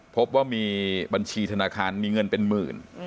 พบว่ามีบัญชีธนาคารมีเงินเป็นหมื่น